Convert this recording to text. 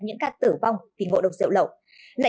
những ca tử vong vì ngộ độc rượu lẩu